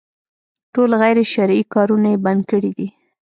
ټول غير شرعي کارونه يې بند کړي دي.